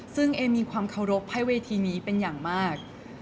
ซึ่งเอมีความเคารพให้เวทีนี้เป็นอย่างมาก